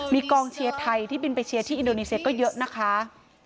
มีกองเชียร์ไทยที่บินไปเชียร์ที่อินโดนีเซียก็เยอะนะคะ